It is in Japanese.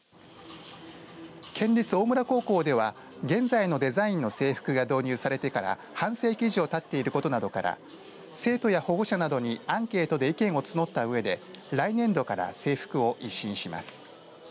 県立大村高校では現在のデザインの制服が導入されてから半世紀以上たっていることなどから生徒や保護者などにアンケートで意見を募ったうえで来年度から制服を一新します。